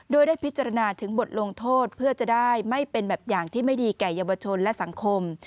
โดยได้พิจารณาถึงบทลงโทษเพื่อจะได้ไม่เป็นแบบอย่างที่ไม่ดีแก่เยาวชนและสังคม